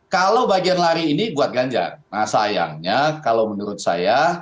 kalau bagian lari ini buat ganjar nah sayangnya kalau menurut saya